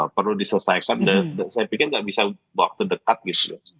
perlu diselesaikan dan saya pikir nggak bisa waktu dekat gitu